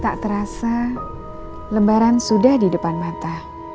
tak terasa lembaran sudah di depan mata